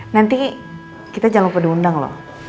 nanti kita jangan lupa diundang loh